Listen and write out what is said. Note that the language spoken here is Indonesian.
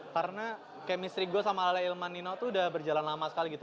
karena chemistry gue sama lale dan ilman nino itu udah berjalan lama sekali gitu